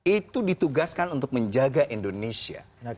itu ditugaskan untuk menjaga indonesia